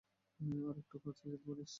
আরেকটু কাছে যেতে পারিস?